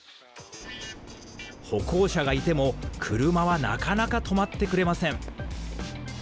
歩行者がいても車はなかなか止まってくれません。